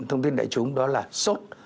thông tin đại chúng đó là sốt